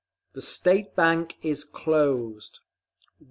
THE STATE BANK IS CLOSED!